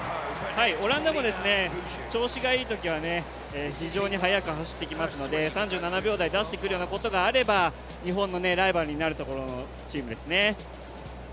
オランダも調子がいいときは非常に速く走ってきますので３７秒台出してくるようなことがあれば日本のライバルになるチームですね。